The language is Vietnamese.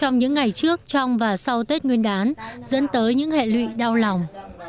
nguyên đán dẫn tới những hệ lụy đau lòng